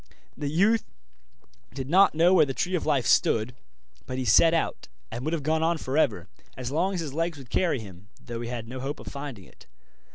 The youth did not know where the Tree of Life stood, but he set out, and would have gone on for ever, as long as his legs would carry him, though he had no hope of finding it.